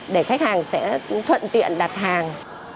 để khách hàng sẽ thuận tiện đặt hàng